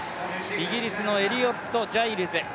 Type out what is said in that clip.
イギリスのエリオット・ジャイルズ。